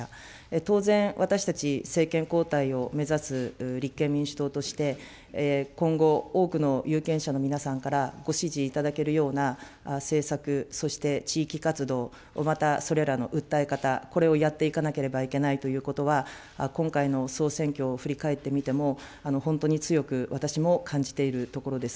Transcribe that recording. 当然、私たち、政権交代を目指す立憲民主党として、今後、多くの有権者の皆さんからご支持いただけるような政策、そして地域活動、またそれらの訴え方、これをやっていかなければいけないということは、今回の総選挙を振り返ってみても、本当に強く、私も感じているところです。